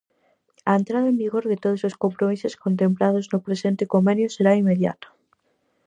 A entrada en vigor de todos os compromisos contemplados no presente Convenio será inmediata.